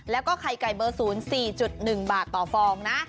แล้วก็ไข่ไก่เบอร์๐๔๑บาทต่อฟองนะ